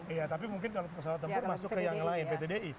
iya tapi mungkin kalau pesawat tempur masuk ke yang lain pt di